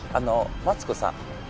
マツコさん